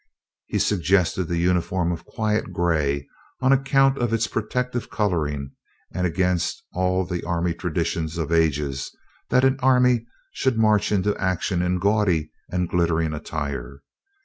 He suggested the uniform of quiet gray on account of its protective coloring and against all the army traditions of ages, that an army should march into action in gaudy and glittering attire.